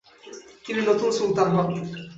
তিনি নতুন সুলতান হন।